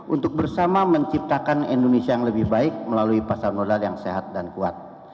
untuk bersama menciptakan indonesia yang lebih baik melalui pasar modal yang sehat dan kuat